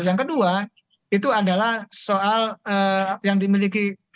yang kedua itu adalah soal yang dimiliki